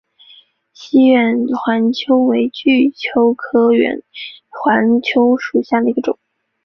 栖兰远环蚓为巨蚓科远环蚓属下的一个种。